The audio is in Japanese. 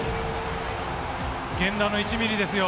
源田の１ｍｍですよ。